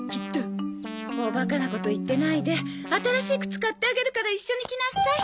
おバカなこと言ってないで新しい靴買ってあげるから一緒に来なさい。